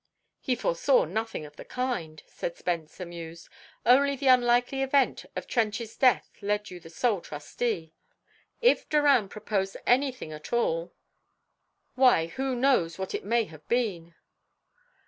"He foresaw nothing of the kind," said Spence, amused. "Only the unlikely event of Trench's death left you sole trustee. If Doran purposed anything at all why, who knows what it may have been?"